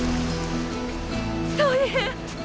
大変！